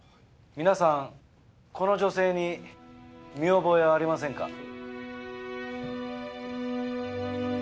皆さんこの女性に見覚えはありませんか？